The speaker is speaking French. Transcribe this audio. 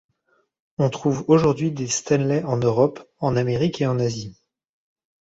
On trouve aujourd'hui des Stanley en Europe, en Amérique et Asie.